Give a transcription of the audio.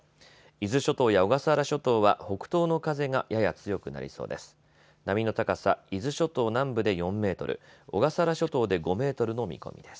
伊豆諸島や小笠原諸島は北東の風がやや強くなりそうです。